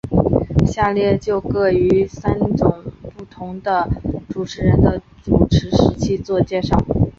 下列就各以三位不同主持人的主持时期做介绍。